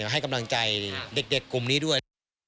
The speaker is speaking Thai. ให้กำลังใจเด็กกลุ่มนี้ด้วย